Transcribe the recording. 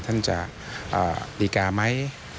ท่านจะดีกาไหม